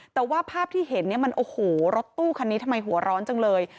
แต่ว่าภาพที่เห็นเนี่ยมันโอ้โหรถตู้คันนี้ทำไมหัวร้อนจังเลย